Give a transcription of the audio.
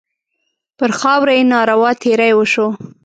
پر خاوره یې ناروا تېری وشو.